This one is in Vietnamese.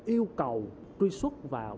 yêu cầu truy xuất vào